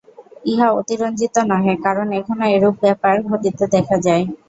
ইহা অতিরঞ্জিত নহে, কারণ এখনও এরূপ ব্যাপার ঘটিতে দেখা যায়।